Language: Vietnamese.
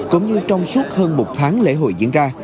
cũng như trong suốt hơn một tháng lễ hội diễn ra